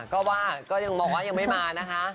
ก็ว่าก็ยังบอกว่ายังไม่มานะคะ